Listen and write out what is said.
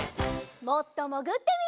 もっともぐってみよう。